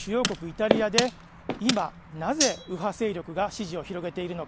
イタリアで、今、なぜ右派勢力が支持を広げているの